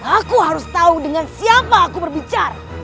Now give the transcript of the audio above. aku harus tahu dengan siapa aku berbicara